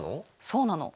そうなの。